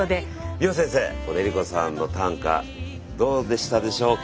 美穂先生この江里子さんの短歌どうでしたでしょうか？